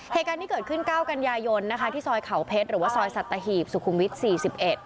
เหตุการณ์ที่เกิดขึ้นเก้ากันยายนที่ซอยเขาเพชรหรือว่าซอยสัตถาหีบสุคุมวิทย์๔๑